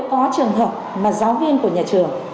có trường hợp mà giáo viên của nhà trường